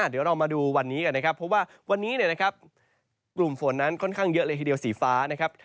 เดี๋ยวเรามาดูวันนี้กันนะครับเพราะว่าวันนี้เนี่ยนะครับกลุ่มฝนนั้นค่อนข้างเยอะเลยทีเดียวสีฟ้านะครับ